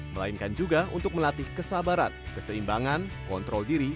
melainkan juga untuk melatih kesabaran keseimbangan kontrol diri